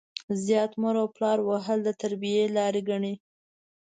زيات مور او پلار وهل د تربيې لار ګڼي.